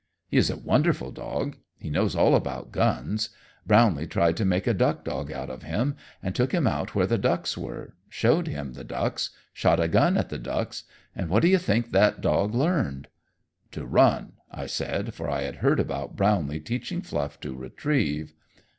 He is a wonderful dog. He knows all about guns. Brownlee tried to make a duck dog out of him, and took him out where the ducks were showed him the ducks shot a gun at the ducks and what do you think that dog learned?" "To run," I said, for I had heard about Brownlee teaching Fluff to retrieve.